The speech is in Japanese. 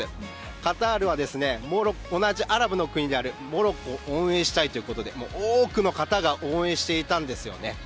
カタールは同じアラブの国であるモロッコを応援したいということで多くの方が応援していたんですよね。